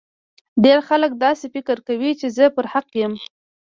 ډیر خلګ داسي فکر کوي چي زه پر حق یم